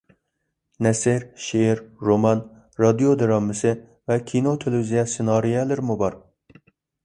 نەسر، شېئىر، رومان، رادىيو دىرامىسى ۋە كىنو تېلېۋىزىيە سېنارىيەلىرىمۇ بار.